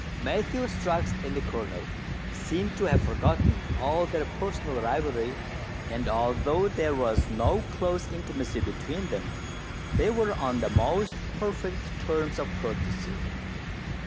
Matthew Strux and the Colonel seemed to have forgotten all their personal rivalry, and although there was no close THREE ENGLISHMEN AND THREE RUSSIANS. 2r5 intimacy between them, they were on the most perfect terms of courtesy.